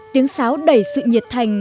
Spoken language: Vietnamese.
tiếng sáo đẩy sự nhiệt thành